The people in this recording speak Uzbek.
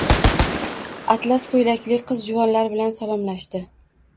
Atlas ko‘ylakli qiz-juvonlar bilan salomlashdi.